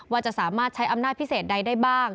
ว่าจะสามารถใช้อำนาจพิเศษใดได้บ้าง